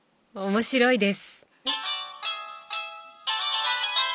面白いです！